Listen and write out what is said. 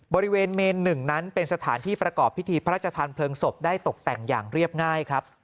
บริเวณเมนหนึ่งนั้นเป็นสถานที่ประกอบพิธีพระราชทานเพลิงศพได้ตกแต่งอย่างเรียบง่ายครับ